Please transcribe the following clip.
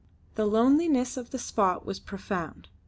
The loneliness of the spot was profound.